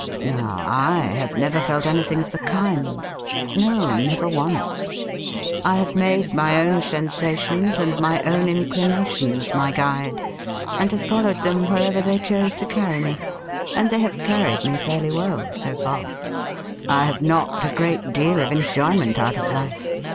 Now, I have never felt anything of the kind — no, never once. I have made my own sensations and my own inclinations my guide, and have followed them wherever they chose to carry me, and they have carried me fairly well so far. I have knocked a great deal of enjoyment out of life.